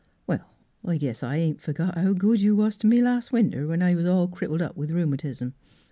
" Well, I guess I ain't forgot how good you was to me last winter when I was all crippled up with rheumatism.